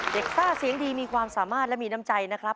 ซ่าเสียงดีมีความสามารถและมีน้ำใจนะครับ